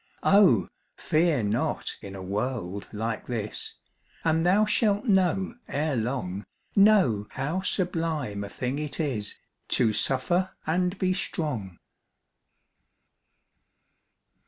Oh, fear not in a world like this, And thou shalt know ere long, Know how sublime a thing it is To suffer and be strong.